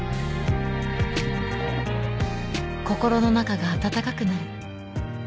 心の中が温かくなる。